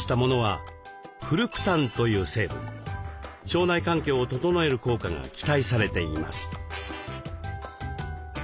腸内環境を整える効果が期待されています。